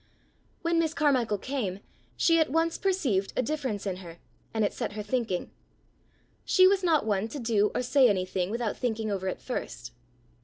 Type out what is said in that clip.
When Miss Carmichael came, she at once perceived a difference in her, and it set her thinking. She was not one to do or say anything without thinking over it first.